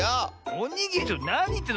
おにぎりなにいってんの？